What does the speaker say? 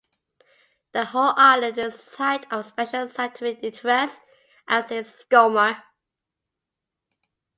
The whole island is a Site of Special Scientific Interest as is Skomer.